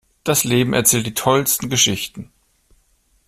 Das Leben erzählt die tollsten Geschichten.